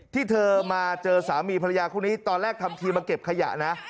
ที่เธอมาเจอสามีภรรยาคู่นี้ตอนแรกทำทีมาเก็บขยะนะ